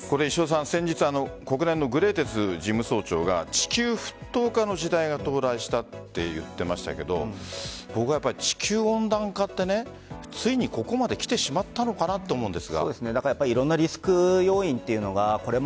先日、国連のグテーレス事務総長が地球沸騰化の時代が到来したと言っていましたが地球温暖化はついにここまで来てしまったのかなと思うんです。